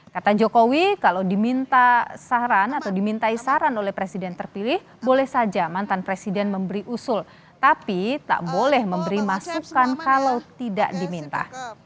kata jokowi kalau diminta saran atau dimintai saran oleh presiden terpilih boleh saja mantan presiden memberi usul tapi tak boleh memberi masukan kalau tidak diminta